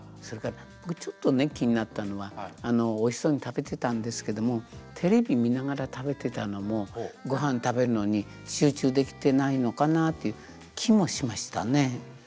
それから僕ちょっとね気になったのはおいしそうに食べてたんですけどもテレビ見ながら食べてたのもご飯食べるのに集中できてないのかなっていう気もしましたね。